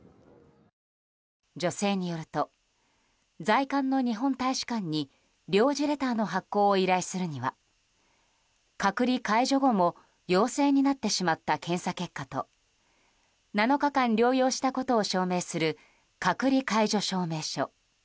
女性によると在韓の日本大使館に領事レターの発行を依頼するには隔離解除後も陽性になってしまった検査結果と７日間療養したことを証明する隔離解除証明書。